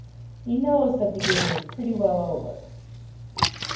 "He knows that the game is pretty well over."